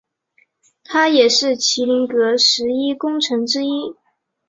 他也是麒麟阁十一功臣之一。